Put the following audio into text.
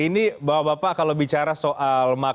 ini bapak bapak kalau bicara soal makanan